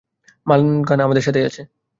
মানগানা আমাদের সাথেই আছে।